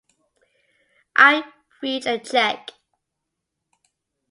I reached a cheque.